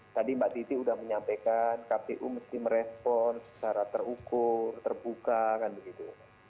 tadi mbak titi sudah menyampaikan kpu mesti merespon secara terukur terbuka kan begitu